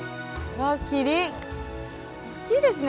大きいですね。